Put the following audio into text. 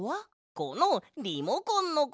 このリモコンのこと！